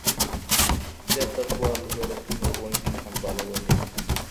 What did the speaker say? سیاستوالو به رسمي غونډي سمبالولې.